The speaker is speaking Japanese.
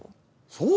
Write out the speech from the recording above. そう？